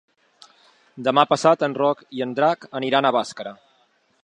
Demà passat en Roc i en Drac aniran a Bàscara.